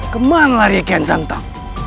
kemana lari ke nsantau